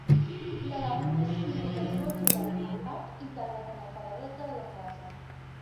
L'element més significatiu el trobem, en part, integrat en el paredat de la casa.